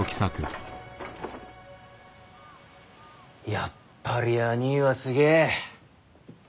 やっぱりあにぃはすげぇ。